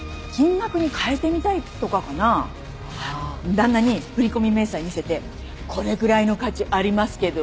旦那に振り込み明細見せて「これぐらいの価値ありますけど」